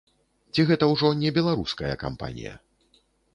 Ці гэта ўжо не беларуская кампанія?